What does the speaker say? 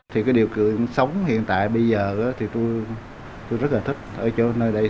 thì cái điều kiện sống hiện tại bây giờ thì tôi rất là thích ở chỗ nơi đây